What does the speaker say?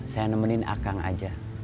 saya nemenin akang aja